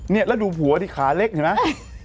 เนี่ยแล้วดูหัวดิขาเล็กเห็นมั้ย